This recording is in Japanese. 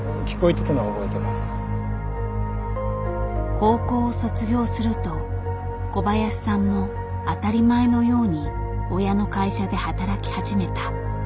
高校を卒業すると小林さんも当たり前のように親の会社で働き始めた。